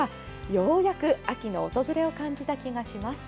ようやく秋の訪れを感じた気がします。